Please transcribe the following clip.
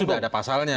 itu sudah ada pasalnya